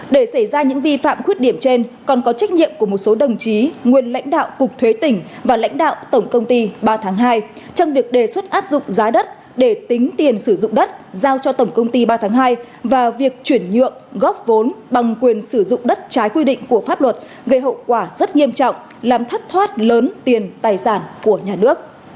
để xảy ra những vi phạm khuyết điểm trên còn có trách nhiệm của một số đồng chí nguyên lãnh đạo cục thuế tỉnh và lãnh đạo tổng công ty ba tháng hai trong việc đề xuất áp dụng giá đất để tính tiền sử dụng đất giao cho tổng công ty ba tháng hai và việc chuyển nhượng góp vốn bằng quyền sử dụng đất trái quy định của pháp luật gây hậu quả rất nghiêm trọng làm thắt thoát lớn tiền tài sản của nhà nước